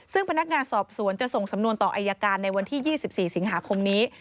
ซึ่งพนักงานสอบสวนจะส่งสำนวนต่ออายการในวันที่๒๔สิงหาคมนี้